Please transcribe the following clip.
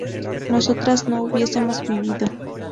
nosotras no hubiésemos vivido